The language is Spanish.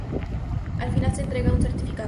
Al final se le entrega un certificado.